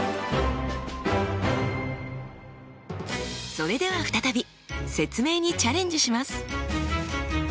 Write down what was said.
それでは再び説明にチャレンジします！